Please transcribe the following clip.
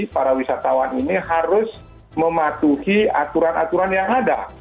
para wisatawan ini harus mematuhi aturan aturan yang ada